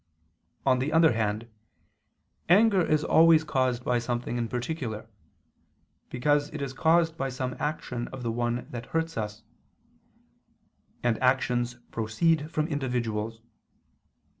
On the other hand, anger is always caused by something in particular: because it is caused by some action of the one that hurts us; and actions proceed from individuals.